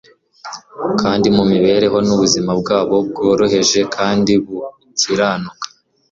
kandi mu mibereho n'ubuzima bwabo bworoheje kandi bukiranuka,